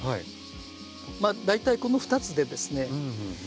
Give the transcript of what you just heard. まあ大体この２つでですね６５％。